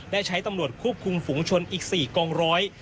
ได้ใช้ตำรวจควบคุมฝุงชนอีก๔กองร้อย